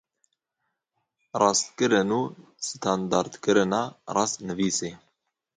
Rastkirin û standardkirina rastnivîsê